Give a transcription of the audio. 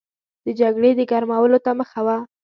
د جګړې د ګرمولو ته مخه وه.